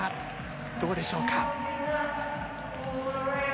どうでしょうか？